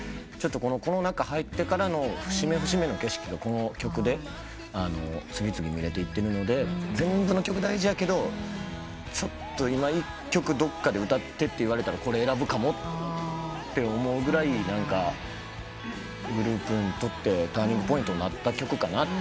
コロナ禍入ってからの節目節目の景色がこの曲で次々見られていってるので全部の曲大事やけど「今１曲どっかで歌って」と言われたらこれ選ぶかもって思うぐらいグループにとってターニングポイントになった曲かなと。